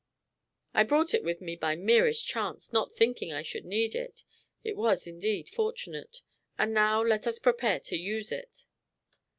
"I brought it with me by merest chance, not thinking I should need it. It was indeed fortunate; and now let us prepare to use it."